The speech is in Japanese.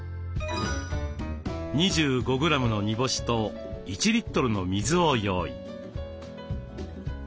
２５グラムの煮干しと１リットルの水を用意。